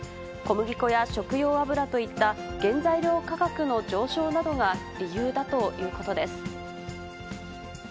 小麦粉や食用油といった、原材料価格の上昇などが理由だということです。